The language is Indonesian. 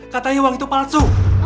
katanya uang itu palsu